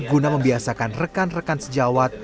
guna membiasakan rekan rekan sejawat